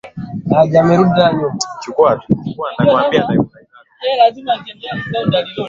Mchezaji bora wa mwaka wa ligi kuu ya Italia